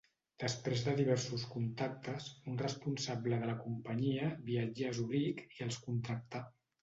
Després de diversos contactes, un responsable de la companyia viatjà a Zuric i els contractà.